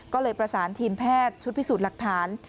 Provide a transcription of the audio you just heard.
ก็เลยประสานทีมแพทย์ชุดพิสูจน์หลักฐาน